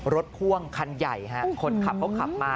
พ่วงคันใหญ่ฮะคนขับเขาขับมา